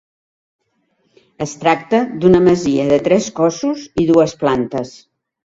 Es tracta d'una masia de tres cossos i dues plantes.